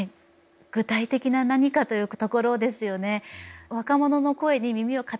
具体的な何かというところですよね。